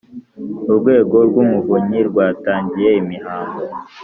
urwego rw Umuvunyi rwatangiye imihango